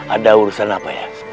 ada urusan apa ya